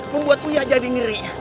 membuat uya jadi ngeri